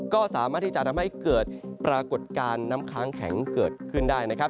ก็สามารถที่จะทำให้เกิดปรากฏการณ์น้ำค้างแข็งเกิดขึ้นได้นะครับ